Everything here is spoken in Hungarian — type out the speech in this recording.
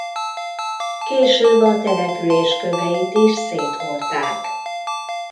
Később a település köveit is széthordták.